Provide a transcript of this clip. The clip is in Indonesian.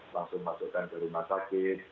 langsung masukkan ke rumah sakit